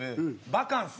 バカンス？